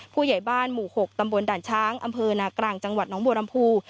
ผู้ใหญ่บ้านหมู่๖ตำบลด่านช้างอำเภอนากลางจังหวัดน้องบัวลำพู